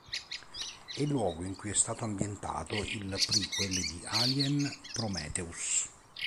È il luogo in cui è stato ambientato il prequel di "Alien", "Prometheus".